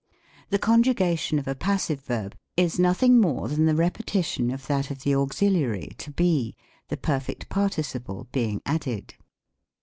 The conjugation of a passive verb is nothing more than the repetition of that of the auxiliary To Be, the perfect participle being added.